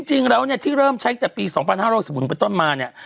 จริงแล้วเนี่ยที่เริ่มใช้แต่ปี๒๕๖๖เป็นต้นมาเนี่ย